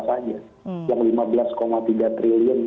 saja yang lima belas tiga triliun